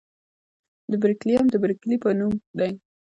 د برکیلیم د برکلي په نوم دی.